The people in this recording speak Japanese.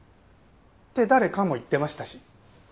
って誰かも言ってましたし。